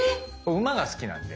⁉馬が好きなんで。